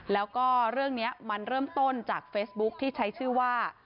แล้วก็เรื่องนี้มันเริ่มต้นจากเฟซบุ๊คที่ใช้ชื่อว่า